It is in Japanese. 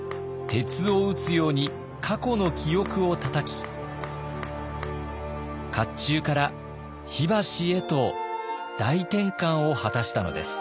鉄を打つように過去の記憶をたたき甲冑から火箸へと大転換を果たしたのです。